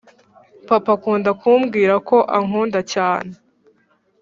Papa akunda kumbwira ko ankunda cyane